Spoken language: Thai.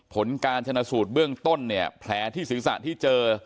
ผลการชำนาสูตรเบื้องต้นแผลที่ศึกษาที่เจอ